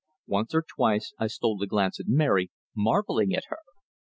Once or twice I stole a glance at Mary, marvelling at her.